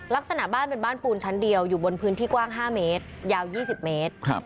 ลักษณะบ้านเป็นบ้านปูนชั้นเดียวอยู่บนพื้นที่กว้าง๕เมตรยาว๒๐เมตร